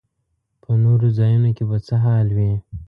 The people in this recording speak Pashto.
په نورو ځایونو کې به څه حال وي.